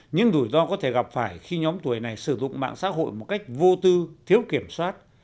những rủi ro có thể gặp phải khi nhóm tuổi này sử dụng mạng xã hội một cách vô tư thiếu kiểm soát